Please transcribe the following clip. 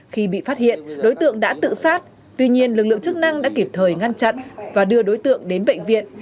khi bị phát hiện đối tượng đã tự sát tuy nhiên lực lượng chức năng đã kịp thời ngăn chặn và đưa đối tượng đến bệnh viện